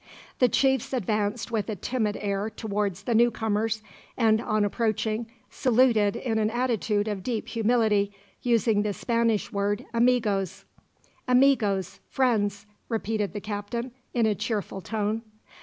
The chiefs advanced with a timid air towards the newcomers; and, on approaching, saluted in an attitude of deep humility, using the Spanish word Amigos. "Amigos Friends," repeated the captain, in a cheerful tone.